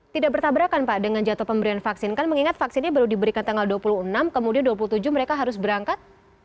tidak bertabrakan pak dengan jatuh pemberian vaksin kan mengingat vaksinnya baru diberikan tanggal dua puluh enam kemudian dua puluh tujuh mereka harus berangkat